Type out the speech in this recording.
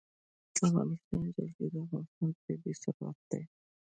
د افغانستان جلکو د افغانستان طبعي ثروت دی.